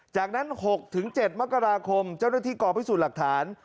จากนั้น๖๗มกราคมเจ้าหน้าที่กอพิสูจน์หลักฐาน